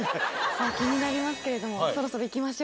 さぁ気になりますけれどもそろそろいきましょうか。